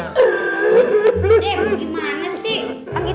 eh gimana sih